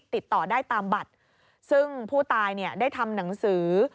ติดต่อได้ตามบัตรซึ่งผู้ตายเนี่ยได้ทำหนังสือ